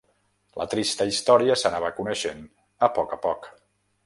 La trista història s'anava coneixent a poc a poc